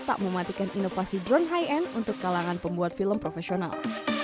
tak mematikan inovasi drone high end untuk kalangan pembuat film profesional